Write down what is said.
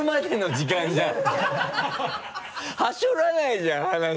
はしょらないじゃん話。